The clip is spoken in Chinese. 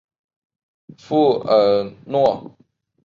富尔诺。